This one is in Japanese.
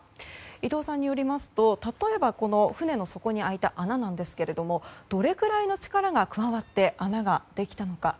伊藤さんによりますと例えば、この船の底に開いた穴なんですけれどもどれぐらいの力が加わって穴ができたのか。